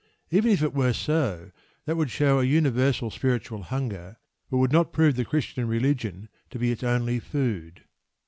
Even if it were so, that would show a universal spiritual hunger; but would not prove the Christian religion to be its only food.